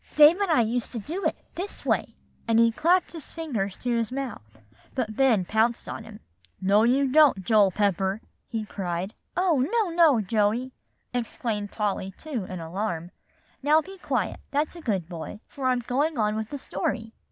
"Dave and I used to do it this way;" and he clapped his fingers to his mouth, but Ben pounced on him. "No, you don't, Joel Pepper," he cried. "Oh, no, no, Joey!" exclaimed Polly too, in alarm; "now be quiet, that's a good boy, for I'm going on with the story.